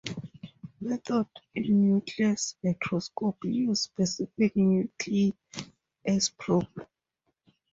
Methods in nuclear spectroscopy use specific nuclei as probe.